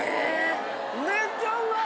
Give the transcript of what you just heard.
めっちゃうまい！